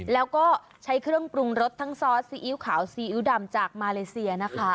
แล้วก็ใช้เครื่องปรุงรสทั้งซอสซีอิ๊วขาวซีอิ๊วดำจากมาเลเซียนะคะ